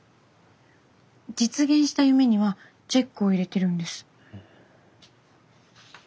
実現した夢にはチェックを入れてるんです。